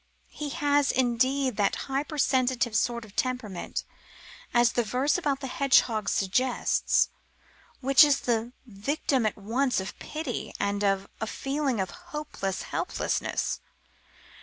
He has, indeed, that hypersensitive sort of temperament, as the verse about the hedgehog suggests, which is the victim at once of pity and of a feeling of hopeless helplessness.